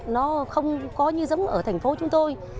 nó không có như giống ở thành phố chúng tôi